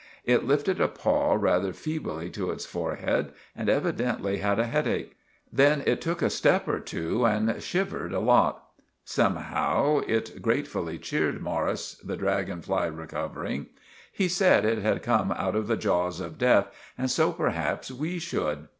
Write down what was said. It lifted a paw rather feebly to its forehead and evvidently had a headacke. Then it took a step or two and shivered a lot. Somehow it grately cheered Morris the draggon fly recovering. He sed it had come out of the jaws of deth and so perhaps we should.